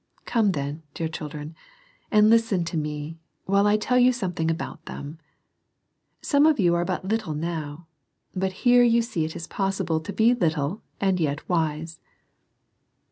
Come then, dear children, and listen to me, while I tell you some thing about them. Some of you are but little now. But here you see it is possible to be little and yet wise.